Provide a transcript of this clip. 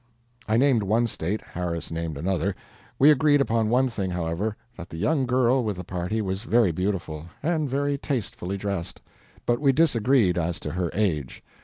I named one state, Harris named another. We agreed upon one thing, however that the young girl with the party was very beautiful, and very tastefully dressed. But we disagreed as to her age.